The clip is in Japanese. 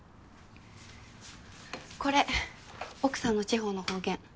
これ奥さんの地方の方言。